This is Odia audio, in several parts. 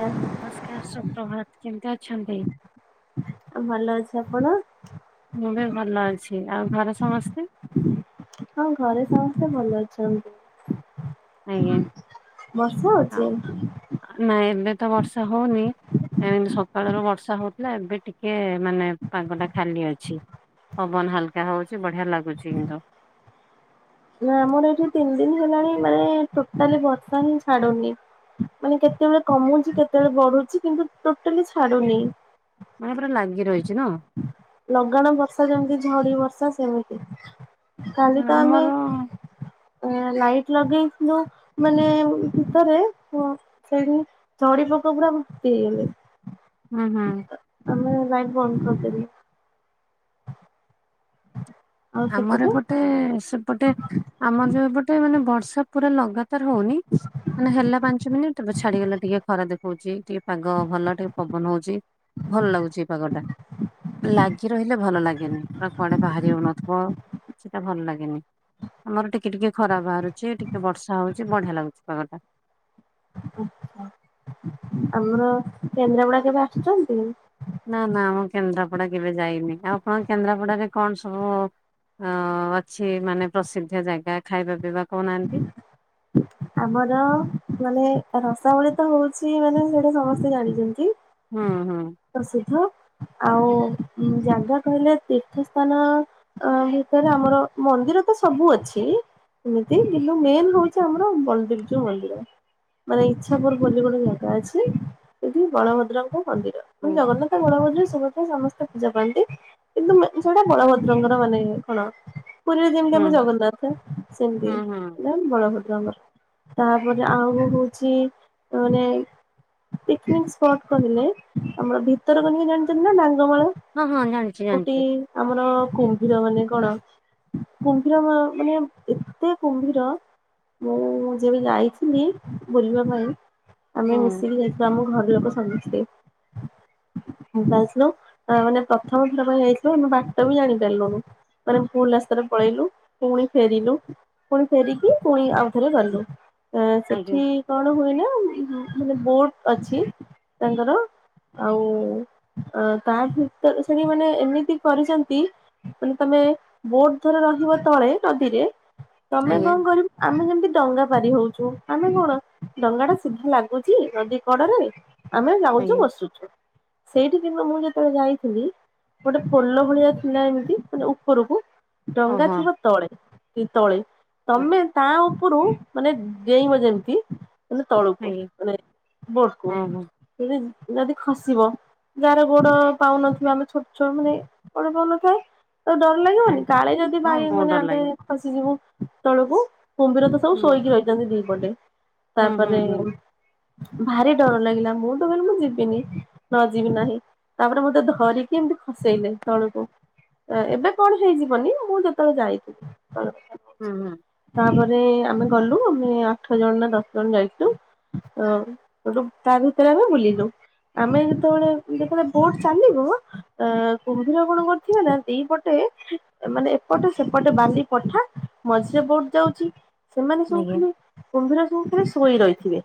ଆଃ। ନମସ୍କାର ସୁପ୍ରଭାତ କେମତି ଅଛନ୍ତି? ଭଲ ଅଛି ଆପଣ? ମୁଁ ବି ଭଲ ଅଛି ଆଉ ଘରେ ସମସ୍ତେ? ହଁ ଘରେ ସମସ୍ତେ ଭଲ ଅଛନ୍ତି। ଆଜ୍ଞା ବର୍ଷା ହଉଛି? ନାଇଁ ଏବେ ତ ବର୍ଷା ହଉନି। ଏ ଏମିତି ସକାଳ ର ବର୍ଷା ହଉଥିଲା ଏବେ ଟିକେ ମାନେ ପାଗ ଟା ଖାଲି ଅଛି। ପବନ ହାଲକା ହଉଛି ବଢିଆ ଲାଗୁଛି କିନ୍ତୁ। ନା ଆମର ଏଇଠି ତିନି ଦିନ ହେଲାଣି ମାନେ ଟୋଟାଲି ବର୍ଷା ହିଁ ଛାଡୁନି। ମାନେ କେତେବେଳେ କମଉଛି କେତେବେଳେ ବଢୁଛି କିନ୍ତୁ ଟୋଟାଲି ଛାଡୁନି। ମାନେ ପୁରା ଲାଗି ରହିଛି ନା? ଲଗାଣ ବର୍ଷା ଯେମିତି ଝଡି ବର୍ଷା ସେମିତି କାଲି ତ ଆମେ ଆମର ଲାଇଟ ଲଗେଇଥିଲୁ ମାନେ ଭିତରେ ସେଇ ଚଡି ପୋକ ପୁରା [unintelligible] ହୁଁ ହୁଁ। ଆମେ ଲାଇଟ ବନ୍ଦ କରିଦେଲୁ। ଆଉ ଆମର ସେପଟେ ଏପଟେ ସେପଟେ ଆମର ଯୋଉ ଏପଟେ ମାନେ ବର୍ଷା ପୁରା ଲଗାତାର ହଉନି। ମାନେ ହେଲା ପାଞ୍ଚ ମିନିଟ ଛାଡିଗଲା ଟିକେ ଖରା ଦେଖଉଛି ଟିକେ ପାଗ ଭଲ ଟିକେ ପବନ ହଉଛି। ଭଲ ଲାଗୁଛି ଏଇ ପାଗ ଟା ଲାଗି ରହିଲେ ଭଲ ଲାଗେନି କ କୁଆଡେ ବାହାରି ହଉନ ହଁ ସେଟା ଭଲ ଲାଗେନି। ଆମର ଟିକେ ଟିକେ ଖରା ବାହାରୁଛି ଟିକେ ବର୍ଷା ହଉଛି ବଢିଆ ଲାଗୁଛି ପାଗ ଟା [inaudible] ଆମର କେନ୍ଦ୍ରାପଡା କେବେ ଆସୁଛନ୍ତି? ନା ନା ମୁଁ କେନ୍ଦ୍ରାପଡା କେବେ ଯାଇନି? ଆଉ କଣ କେନ୍ଦ୍ରାପଡାରେ କଣ? ସବୁ ହଁ ଅଛି ମାନେ ପ୍ରସିଦ୍ଧ ଜାଗା ଖାଇବା ପିଇବା କହୁନାହାନ୍ତି? ଆମର ମାନେ ରସାବଳୀ ତ ହଉଛି, ମାନେ ସେଇଟା ସମସ୍ତେ ଜାଣିଛନ୍ତି? ହୁଁ ହୁଁ। ପ୍ରସିଦ୍ଧ ଆଉ ଜାଗା କହିଲେ ତୀର୍ଥ ସ୍ଥାନ ଅ ସେଥର ଆମର ମନ୍ଦିର ତ ସବୁ ଅଛି। ନ୍ତୁ ମେନ ରହୁଛି ଆମର ବଲଦେପ ଯୋଉ ମନ୍ଦିର। ମାନେ ଇଚ୍ଛାପୁର ବୋଲି ଗୋଟେ ଜାଗା ଅଛି ସେଠି ବଳଭଦ୍ରଙ୍କ ହୁଁ ମନ୍ଦିର ଜଗନ୍ନାଥ ବଳଭଦ୍ର ସୁଭଦ୍ରା ସମସ୍ତେ ପୂଜା ପାଆନ୍ତି। କିନ୍ତୁ ସେଇଟା ବଳଭଦ୍ରଙ୍କର ମାନେ କଣ ପୁରୀରେ ଯେମିତି ହୁଁ ଆମେ ଜଗନ୍ନାଥ ହୁଁ ସେମିତି। ହୁଁ ବଳଭଦ୍ରଙ୍କର ତାପରେ ଆଉ ହଉଛି ମାନେ ପିକନିକ ସ୍ପଟ କହିଲେ ଆମର ଭିତରକନିକା ଜାଣିଥିଲ ନା ଡାଙ୍ଗମାଳ? ହଁ ହଁ ଜାଣିଛି କୋଉଠି ଜାଣିଛି। ଆମର କୁମ୍ଭୀର ମାନେ କଣ କୁମ୍ଭୀର ମାନେ ଏତେ କୁମ୍ଭୀର ମୁଁ ଯବେ ଯାଇଥିଲି ବୁଲିବା ପାଇଁ। ଆମେ ହୁଁ ମିଶିକି ଯାଇଥିଲୁ ଆମ ଘର ଲୋକ ସମୀସ୍ତେ। ଯାଇ ମାନେ ପ୍ରଥମର ପାଇଁ ଯାଇଥିଲୁ ଆମେ ବାଟ ବି ଜାଣିପାରିଲୁନ। ଆମେ ଭୁଲ ରାସ୍ତାରେ ପଳେଇଲୁ ପୁଣି ଫେରିଲୁ। ପୁଣି ଫେରିକି ପୁଣି ଆଉଥରେ ଗଲୁ ଏ ଆଜ୍ଞା। ସେଠି କଣ ହୁଏନା ମାନେ ବୋଟ ଅଛି ତାଙ୍କର ଆଉ ତା ଭିତରେ ସେଠି ମାନେ ଏମିତି କରିଛନ୍ତି ମାନେ ତମେ ବୋଟ ଧର ରହିବ ତଳେ ନଦୀରେ ତମେ ଆଜ୍ଞା କଣ କରିବ ଆମେ ଯେମିତି ଡଙ୍ଗା ପାରିହଉଛୁ, ଆମେ କଣ ଡଙ୍ଗାଟା ସିଧା ଲାଗୁଚି ନଦୀ କଡରେ। ଆମେ ଯାଉଛୁ ଆଜ୍ଞା ବସୁଛୁ, ସେଇଠିକି ମୁଁ ଯେତେବେଳେ ଯାଇଥିଲି ଗୋଟେ ପୋଲ ଭଳିଆ ଥିଲା ଏମିତି ମାନେ ଉପରକୁ ଓହୋ ଡଙ୍ଗା ଥିବ ତଳେ। କି ତଳେ ଆଜ୍ଞା ତମେ ତା ଉପରୁ ମାନେ ଡେଇଁବ ଯେମିତି ମାନେ ତଳକୁ ଆଜ୍ଞା ମାନେ ବୋଟକୁ ଓହୋ ଯ-ଯଦି ଖସିବ। ଯାହାର ଗୋଡ ପାଉନଥିବ, ଆମେ ଛୋଟ ଛୁଆମାନେ ଗୋଡ ପାଉନଥାଏ ତ ଡର ଲାଗିବନି ଆଜ୍ଞା। କାଳେ ଯଦି ହଁ ବାଇ ବହୁତ ମାନେ ଡର ଆମେ ଲାଗେ ଖସିଯିବୁ ତଳକୁ। କୁମ୍ଭୀର ତ ସବୁ ହୁଁ ଶୋଇକି ରହିଛନ୍ତି ଦିପଟେ ହୁଁ ହୁଁ ତାପରେ ହୁଁ ଭାରି ଡର ଲାଗିଲା, ମୁଁ ତ କହିଲି ମୁଁ ଯିବିନି ନ ଯିବି ନାହିଁ। ତାପରେ ମତେ ଧରିକି ଏମିତି ଖସେଇଲେ ତଳକୁ। ଏବେ କଣ ହେଇଯିବନି, ମୁଁ ଯେତେବେଳେ ଯାଇଥିଲି ସେତେ ହୁଁ ହୁଁ। ତାପରେ ଆମେ ଗଲୁ ଆମେ ଆଠ ଜଣ ନା ଦଶ ଜଣ ଯାଇଛୁ ସେଠୁ ତା ଭିତରେ ଆମେ ବୁଲିଲୁ, ଆମେ ଯେତେବେଳେ ଦେଖିଲୁ ବୋଟ ଚାଲିବ ଅ କୁମ୍ଭୀର କଣ କରିଥିବେ ନା ଦିପଟେ ମାନେ ଏପଟେ ସେପଟେ ବାଲି ପଠା ମଝିରେ ବୋଟ୍ ଯାଉଛି ସେମାନେ ସବୁ ଆଜ୍ଞା କିଏ? କୁମ୍ଭୀର ସବୁ ପୁରା ଶୋଇ ରହିଥିବେ।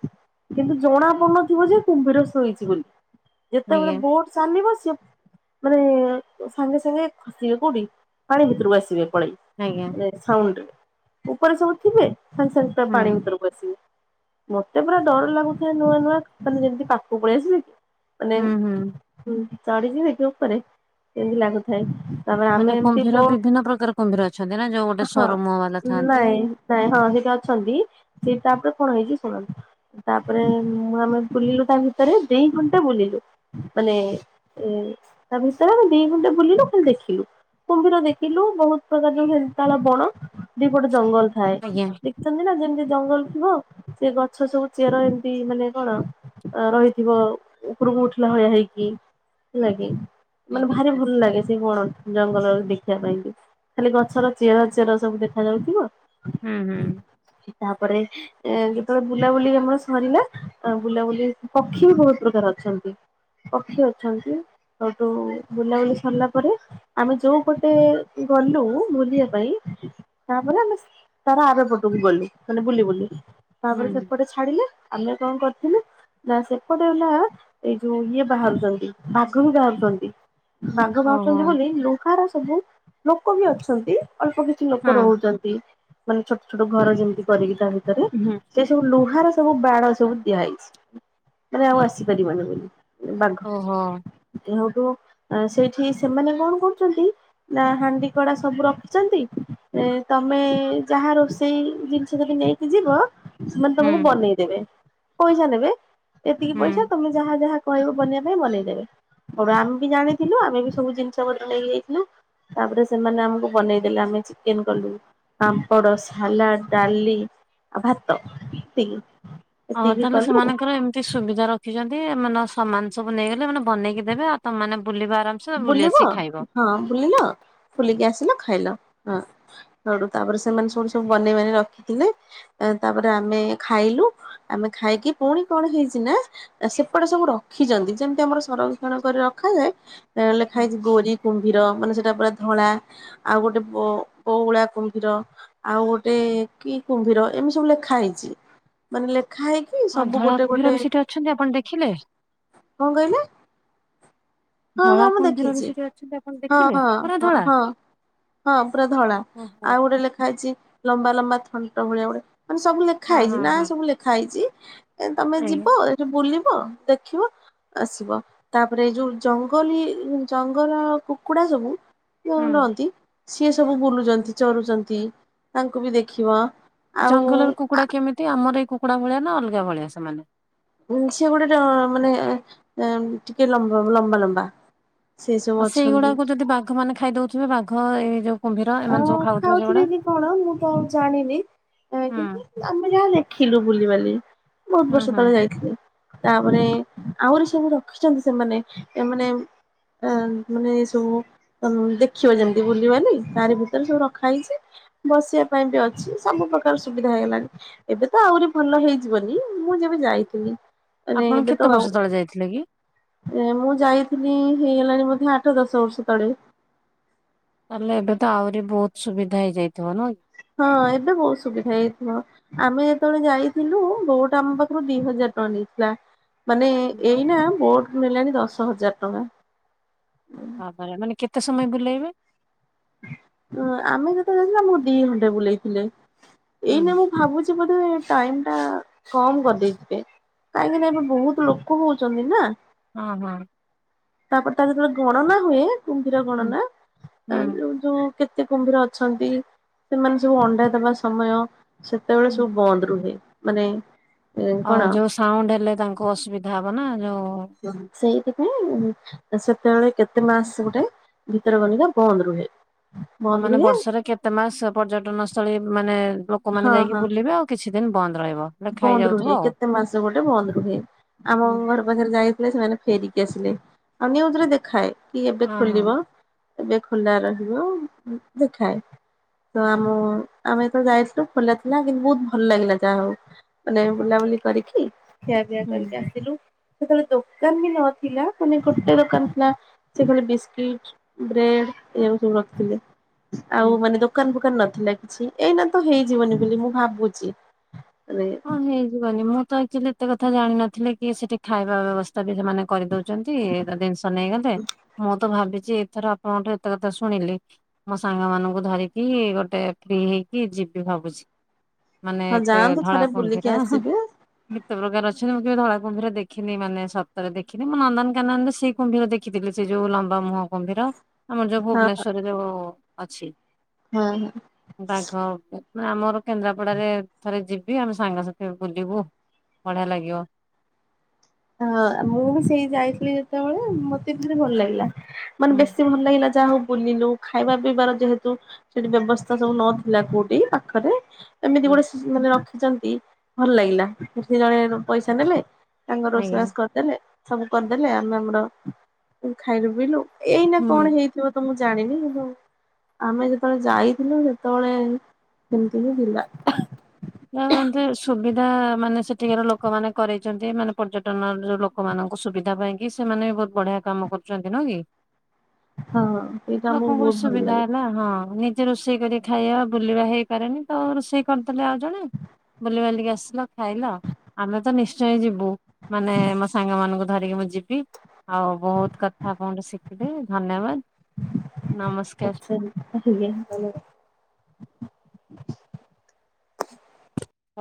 କିନ୍ତୁ ଜଣା ପଡୁନଥିବ ଯେ କୁମ୍ଭୀର ଶୋଇଛି ବୋଲି, ଯେତେବେଳେ ଆଜ୍ଞା। ବୋଟ ଚାଲିବ ସିଏ ମାନେ ସାଙ୍ଗେ ସାଙ୍ଗେ ଖସିବେ କୋଉଠି ପାଣି ଭିତରକୁ ଆସିବେ ପଳେଇ। ଆଜ୍ଞା। ମାନେ ଉପରେ ସବୁ ଥିବେ ସାଙ୍ଗେ ସାଙ୍ଗେ ତା ହୁଁ ପାଣି ଭିତରକୁ ମତେ ପୁରା ଡର ଲାଗୁଥାଏ ନୂଆ ନୂଆ ମାନେ ଯେମିତି ପାଖକୁ ପଳେଇ ଆସିବେ କି? ମାନେ ହୁଁ ହୁଁ। ଚଢ଼ି ଯିିବେ କି ଉପରେ ଯେମିତି ଲାଗୁଥାଇ। ମାନେ କୁମ୍ଭୀର ବିଭିନ୍ନ ପ୍ରକାର କୁମ୍ଭୀର ଅଛନ୍ତି ନା ଯୋଉ ଗୋଟେ ହଁ ସରୁ ମୁହ ବାଲା ଥାନ୍ତି। ନାଇଁ ନାଇଁ ହଁ ଦିଇଟା ଅଛନ୍ତି ସେ ତାପରେ କଣ ହେଇଛି ଶୁଣନ୍ତୁ। ତାପରେ ଆମେ ବୁଲିଲୁ ତା ଭିତରେ ଦି ଘଣ୍ଟା ବୁଲିଲୁ ମାନେ ଏ ତା ଭିତରେ ଆମେ ଦି ଘଣ୍ଟା ବୁଲିଲୁ ଖାଲି ଦେଖିଲୁ। କୁମ୍ଭୀର ଦେଖିଲୁ ବହୁତ ପ୍ରକାର ଯୋଉ ହେନ୍ତାଳ ବଣ ଦୀପଟେ ଜଙ୍ଗଲ ଥାଏ ଆଜ୍ଞା ଦେଖିଛନ୍ତି ନା? ନଁ ନା ଯେମିତି ଜଙ୍ଗଲ ଥିବ ସେ ଗଛ ସବୁ ଚେର ଏମିତି ମାନେ କଣ ରହିଥିବ ଉପରକୁ ଉଠିଲା ଭଳିୟା ହେଇକି ହେଲାକି। ମାନେ ଆଜ୍ଞା ଭାରି ଆଜ୍ଞା ଭଲ ଲାଗେ ସେ ଗୁଣ ଜଙ୍ଗଲ ଦେଖିବା ପାଇଁ କି ଖାଲି ଗଛର ଚେରା ଚେର ସବୁ ଦେଖାଯାଉଥିବ। ହୁଁ ହୁଁ। ତାପରେ ଏ ଯେତେବେଳେ ବୁଲାବୁଲି ଆମର ସରିଲା ଆ ବୁଲାବୁଲି, ପକ୍ଷୀ ବି ବହୁତ ପ୍ରକାର ଅଛନ୍ତି। ପକ୍ଷୀ ଅଛନ୍ତି। ସେଠୁ ବୁଲାବୁଲି ସରିଲା ପରେ, ଆମେ ଯୋଉ ପଟେ ଗଲୁ ବୁଲିବାକୁ ତାରି ପାଇଁ ତା ପରେ ତାର ଆର ପଟକୁ ଗଲୁ ମାନେ ବୁଲି ବୁଲି ହୁଁ ତାପରେ ହୁଁ ସେପଟେ ଛାଡିଲେ ଆମେ କଣ କରିଥିଲୁ? ନା ସେପଟେ ନା ଏଇ ଯୋଉ ଇଏ ବାହାରୁଛନ୍ତି ବାଘ ବି ବାହାରୁଛନ୍ତି। ବାଘ ଓହୋ ବାହାରୁଛନ୍ତି ବୋଲି ଲୁହା ର ସବୁ ଲୋକ ବି ଅଛନ୍ତି ଅଳ୍ପ କିଛି କିଛି ଲୋକ ହଁ। ରହୁଛନ୍ତି, ମାନେ ଛୋଟ ଛୋଟ ଘର ଯେମିତି କରିକି ତା ଭିତରେ ହୁଁ। ସେ ସବୁ ଲୁହାର ସବୁ ବାଡ ସବୁ ଦିଆହେଇଛି, ତାରେ ଆଉ ଆସିପାରିବନି ବୋଲି। ବାଘ। ଓହୋ ଏ ହଉଠୁ, ସେଇଠି ସେମାନେ କଣ କରୁଚନ୍ତି, ନା ହାଣ୍ଡି କଡା ସବୁ ରଖି ଚନ୍ତି, ଇଁ ତମେ ଯାହା ରୋଷେଇ ଜିନିଷ ଯଦି ନେଇକି ଯିବ ସେମାନେ ହୁଁ ତମକୁ ବନେଇଦେବେ। ପଇସା ନେବେ, ଏତିକି ହୁଁ। ପଇସା ତମେ ଯାହା ଯାହା କହିବ ବନେଇବା ପାଇଁ ବନେଇଦେବେ। ସୋଉଟୁ ଆମେ ବି ଜାଣିଥିଲୁ, ଆମେ ବି ସବୁ ଜିନିଷ ପତ୍ର ନେଇକି ଯାଇଥିଲୁ। ତାପରେ ସେମାନେ ଆମକୁ ବନେଇଦେଲେ ଆମେ ଚିକେନ କଲୁ। ପାମ୍ପଡ, ସାଲାଡ, ଡାଲି ଆଉ ଭାତ ଏତିକି। ହଁ ଏତିକି ତାହେଲେ କଲୁ ସେମାନଙ୍କର ଏମତି ସୁବିଧା ରଖିଛନ୍ତି, ଏମାନଙ୍କ ସାମାନ ସବୁ ନେଇଗଲେ ମାନେ ବନେଇକି ଦେବେ ଆଉ ତମେମାନେ ବୁଲିବା ଆରାମ ବୁଲିବ, ହଁ ବୁଲିଲ, ବୁଲିକି ଆସିଲ ଖାଇଲ। ହଁ। ସୋଉଟୁ ତାପରେ ସେମାନେ ସବୁଠୁ ସବୁ ବନେଇ ବାନେଇ ରଖିଥିଲେ, ଏ ତାପରେ ଆମେ ଖାଇଲୁ ଆମେ ଖାଇକି ପୁଣି କଣ ହେଇଛି ନା ସେପଟେ ସବୁ ରଖିଛନ୍ତି। ଯେମତି ଆମର ସଂରକ୍ଷଣ କରି ରଖାଯାଏ, ଏ ଲେଖା ହୁଁ। ହେଇଛି ଗୋରି କୁମ୍ଭୀର, ମାନେ ସେଇଟା ପୁରା ଧଳା ଆଉ ଗୋଟେ ବ-ବଉଳା କୁମ୍ଭୀର ଆଉ ଗୋଟେ କି କୁମ୍ଭୀର, ଏମତି ସବୁ ଲେଖା ହେଇଛି। ମାନେ ଲେଖା ହେଇ ହଁ ଧଳା କୁମ୍ଭୀର ବି ସେଠି ଅଛନ୍ତି ଆପଣ ଦେଖିଲେ? କଣ କହିଲେ? ହଁ ଧଳା ହଁ, ମୁଁ କୁମ୍ଭୀର ବି ଦେଖିଛି। ସେଠି ଅଛନ୍ତି ଆପଣ ଦେଖିଲେ ପୁରା ଧଳା? ହଁ-ହଁ-ହଁ-ହଁ। ହଁ ପୁରା ଧଳା। ଓହୋ ଆଉ ଗୋଟେ ଲେଖା ହେଇଛି ଲମ୍ବା ଲମ୍ବା ଥଣ୍ଟ ଭଳିଆ ଗୋଟେ ମାନେ ସବୁ ଲେଖା ହଁ ହେଇଛି, ହଁ ନାଁ ହଁ ସବୁ ଲେଖା ହେଇଛି ଏ ତମେ ଯିବ, ଆଜ୍ଞା ଏଇଠି ବୁଲିବ, ଦେଖିବ, ଆସିବ। ତାପରେ ଏଇ ଯୋଉ ଜଙ୍ଗଲୀ, ଜଙ୍ଗଲ କୁକୁଡ଼ା ସବୁ ଯୋଉ ହୁଁ। ରଅନ୍ତି ସିଏ ସବୁ ବୁଲୁଚନ୍ତି, ଚରୁଚନ୍ତି, ତାଙ୍କୁ ବି ଦେଖିବ ଆଉ ଜଙ୍ଗଲର କୁକୁଡା କେମିତି? ଆମର ଏଇ କୁକୁଡା ଭଳିଆ ନା ଅଲଗା ଭଳିଆ ସେମାନେ? ସିଏ ଗୋଟେ ଟ ମାନେ ଏଁ ଟିକେ ଲମ୍ବ ଲମ୍ବା ଲମ୍ବା। ସେ ସବୁ ଆଉ ଅଛନ୍ତି। ସେଇଗୁଡାକୁ ଯଦି ବାଘ ମାନେ ଖାଇ ଦଉଥିବେ, ବାଘ ଏଇ ଯୋଉ କୁମ୍ଭୀର ଏମାନେ ହଁ ସବୁ ଖାଉଥିବେ ସେଗୁଡା। କି କଣ? ମୁଁ ତ ଆଉ ଜାଣିନି, ହୁଁ କିନ୍ତୁ ଆମେ ଯାହା ଦେଖିଲୁ ବୁଲିିବାଲିକି। ବହୁତ ହୁଁ ବର୍ଷ ହୁଁ। ତଳେ ଯାଇଥିଲି। ତାପରେ ଆହୁରି ସବୁ ରଖିଛନ୍ତି ସେମାନେ, ଏ ମାନେ ଆ ମାନେ ଏ ସବୁ ଅ ଦେଖିବ ଯେମତି ବୁଲିବାଲି ତାରି ଭିତରେ ସବୁ ରଖା ହେଇଛି, ବସିଆ ପାଇଁ ବି ଅଛି, ସବୁ ପ୍ରକାର ସୁବିଧା ହେଇଗଲାଣି। ଏବେ ତ ଆହୁରି ଭଲ ହେଇଯିବନି, ମୁଁ ଯେବେ ଯାଇଥିଲି ମାନେ ଆପଣ ଏବେ କେତେ ତ ବର୍ଷ ଆଉ ତଳେ ଯାଇଥିଲେ କି? ଏ ମୁଁ ଯାଇଥିଲି ହେଇଗଲାଣି ବୋଧେ ଆଠ ଦଶ ବର୍ଷ ତଡେ। ତାହେଲେ ଏବେ ତ ଆହୁରି ବହୁତ ସୁବିଧା ହେଇଯାଇଥିବ ନୁହଁ ହଁ ଏବେ ବହୁତ ସୁବିଧା ହେଇଯାଇଥିବ। ଆମେ ଯେତେବେଳେ ଯାଇଥିଲୁ ବୋଟ୍ ଆମ ପାଖରୁ ଦି ହଜାର ଟଙ୍କା ନେଇଥିଲା। ମାନେ ହୁଁ। ଏ-ଏଇନା ବୋଟ ନେଲାଣି ଦଶ ହଜାର ଟଙ୍କା। ବାବାରେ, ମାନେ କେତେ ସମୟ ବୁଲେଇବେ? ହଁ ଆମେ ଯେତେବେଳେ ଯାଇଥିଲୁ ଆମକୁ ଦି ଘଣ୍ଟା ବୁଲେଇଥିଲେ। ହୁଁ ଏଇନେ ମୁଁ ଭାବୁଛି ଛି ବୋଧେ ଟାଇମଟା କମ କରିଦେଇଥିବେ। କାହିଁକିନା ଏବେ ବହୁତ ଲୋକ ହଉଛନ୍ତି ନା। ହଁ ହଁ। ତାପରେ ତାର ଯେତେବେଳେ ଗଣନା ହୁଏ, କୁମ୍ଭୀର ହୁଁ ଗଣନା ହୁଁ। ଯୋଉ ଯୋଉ କେତେ କୁମ୍ଭୀର ଅଛନ୍ତି, ସେମାନେ ସବୁ ଅଣ୍ଡା ଦବା ସମୟ ସେତେବେଳେ ହୁଁ। ସବୁ ବନ୍ଦ ରୁହେ। ମାନେ ଅ କଣ ଯୋଉ ସାଉଣ୍ଡ ହେଲେ ତାଙ୍କୁ ଅସୁବିଧା ହବ ନା, ଯୋଉ ସେତେବେଳେ କେତେ ମାସ୍‌ ଗୋ? ଭିତର କନିକା ବନ୍ଦ୍ ରୁହେ। ଆଉ ବନ୍ଦ ମାନେ ରୁହେ ବର୍ଷରେ କେତେ ମାସ୍‌? ପର୍ଯ୍ୟଟନ ସ୍ଥଳୀ ମାନେ, ଲୋକମାନେ ଯାଇକି ବୁଲିବେ ଆଉ। କିଛି ଦିନ୍‌ ବନ୍ଦ୍ ରହିବ। ଲେଖା ବନ୍ଦ୍ ହେଇଯାଉଥିବ ରୁହେ। ଆଉ। କେତେ ମାସ ଗୋଟେ ବନ୍ଦ ରୁହେ? ଆମ ହୁଁ। ଘର ଯାଇଥିଲେ, ସେମାନେ ଫେରିକି ଆସିଲେ। ଆଉ ନିଉଜ୍‌ ରେ ଦେଖାଏ, କି ଏବେ ହଁ ହଁ। ଖୋଲିବ। ଏବେ ଖୋଲା ରହିବ, ଦେଖାଏ। ଆମେ ଯେ ଯାଇଥିଲୁ ଖୋଲା ଥିଲା। କିନ୍ତୁ ବହୁତ୍ ଭଲ୍ ଲାଗିଲା, ଯା ହଉ। ମାନେ ବୁଲାବୁଲି କରିକି, ଖିଆ ପିଆ ହୁଁ କରିକି ଆସିଲୁ। ସେତେବେଳେ ଦୋକାନ ବି ନଥିଲା, ମାନେ ଗୋଟେ ଦୋକାନ୍‌ ଥିଲା। ସେ ବିସ୍କିଟ୍ ବ୍ରେଡ----ସବୁ ରଖ୍ ଥିଲେ। ହୁଁ। ଆଉ ମାନେ ଦୋକାନ୍‌ ଫୋକାନ୍‌ ନଥିଲା କିଛି। ଏଇନା ତ ହେଇଯିବନି, ବୋଲି ମୁଁ ଭାବୁଚି। [inaudible] ହଁ! ହେଇଯିବନି, ମୁଁ ତ ଆକ୍ଚୋଲି ଏତେ କଥା ଜାଣିନଥିଲି। କି ସେଟି ଖାଇବା ବ୍ୟବସ୍ଥା ସେମାନେ କରି ଦଉଚନ୍ତି, ଦିନିଷ୍ ନେଇଗଲେ। ମୁଁ ତ ଭାବିଚି ଏଥର ତମଠୁ ଏତେ କଥା ଶୁଣିଲି। ମୋ ସାଙ୍ଗମାନଙ୍କୁ ଧରିକି, ଗୋଟେ ଫ୍ରି ହେଇକି ଯିବି ଭାବୁଚି। ମାନେ, ହଁ ଏତେ ଯାଆନ୍ତୁ ଧଳା ଥରେ ବୁଲିକି କୁମ୍ଭୀର ଆସିବେ କେତେ ପ୍ରକାର ଅଛନ୍ତି, ମୁଁ କେବେ ଧଳା କୁମ୍ଭୀର ଦେଖିନି। ମାନେ ସତରେ ଦେଖିନି, ମୁଁ ନନ୍ଦନ୍ କାନନ୍‌ ରେ କୁମ୍ଭୀର ଦେଖିଥିଲି, ସେ ଯଉ ଲମ୍ବା ମୁହଁ କୁମ୍ଭୀର। ଆମର୍ ଯ ହଁ ଭୁବ୍‌ନେଶ୍ୱରରେ ଯ ଅଛି। ବାଘ [inaudible] ଆମର କେନ୍ଦ୍ରାପଡାରେ ଥରେ ଯିବି। ଆମେ ସାଙ୍ଗ ସାଥି ବୁଲିବୁ, ବଢ଼ିଆ ଲାଗିବ। ହଁ! ମୁଁ ବି ସେଇ ଯାଇଥିଲି, ଯେତବଳେ ମତେ--ଭଲ୍‌ ଲାଗିଲା ମାନେ ହୁଁ ବେଶୀ ଭଲ୍‌ ଲାଗିଲା, ଯାହା ହଉ ବୁଲିଲୁ। ଖାଇବା ପିଇବାର, ଯେହେତୁ ସେଟି ବ୍ୟବସ୍ଥା ସବୁ ନଥିଲା କଉଟି। ପାଖରେ ଏମିତି ହୁଁ ଗୋଟେ ମାନେ ରଖିଚନ୍ତି, ଭଲ୍‌ ଲାଗିଲା। ସେଠି ଜଣେ ପଇସା ନେଲେ। ତାଙ୍କ ରୋଷେଇ ଆଜ୍ଞା ବାସ୍‌ କରିଦେଲେ। ସବୁ କରିଦେଲେ, ଆମେ ଆମର ଖାଇଲୁ ପିଇଲୁ। ଏଇନା ହୁଁ କ'ଣ ହେଇଥିବ ତ ମୁଁ ଜାଣିନି, କି ଆମେ ଯେତେବେଳେ ଯାଇଥିଲୁ, ସେତେବେଳେ ସେମ୍ତି ହିଁ ଥିଲା। ସୁବିଧା ମାନେ, ସେଠିକାର ଲୋକମାନେ କରେ ଚନ୍ତି, ମାନେ ପର୍ଯ୍ୟଟନ ଯଉ ଲୋକମାନଙ୍କୁ ସୁବିଧା ପାଇଁ କି ସେମାନେ ବହୁତ୍ ବଢିଆ କାମ କରୁଚନ୍ତି। ନୁହଁ କି? ହଁ! ସେଇଟା ଆମୁକୁ ଲୋକଙ୍କୁ ବି ବହୁତ୍ ଭଲ ସୁବିଧା ଲାଗେ। ହେଲା ହଁ! ନିଜେ ରୁଷେଇ କରି ଖାଇବା ବୁଲିବା ହେଇପାରେନି, ତ ରୁଷେଇ କରିଦେଲେ ଆ ଜଣେ, ବୁଲିିବାଲିକି ଆସ୍‌ଲ ଖାଇଲ। ଆମେ ତ ନିଶ୍ଚୟେ ଯିବୁ, ମାନେ ମୋ ସାଙ୍ଗ ମାନଙ୍କୁ ଧରିକି ମୁଁ ଯିବି। ଆଉ ବହୁତ୍ କଥା ଆପଣଙ୍କଠୁ ଶିକ୍ଲି। ଧନ୍ୟବାଦ୍‌, ନମସ୍କାର! [inaudible]